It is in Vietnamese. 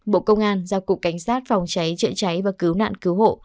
bộ công an giao cục cảnh sát phòng cháy chữa cháy và cứu nạn cứu hộ